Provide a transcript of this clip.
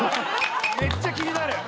めっちゃ気になる。